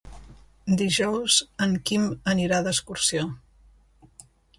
Dijous en Quim anirà d'excursió.